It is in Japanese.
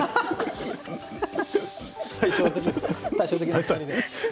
対照的対照的な２人で。